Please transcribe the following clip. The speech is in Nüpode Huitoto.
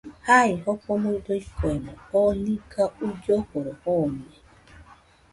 Jai, Jofo nuido ikoemo, oo niga uilloforo joniai